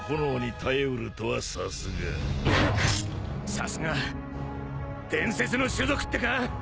さすが伝説の種族ってか！？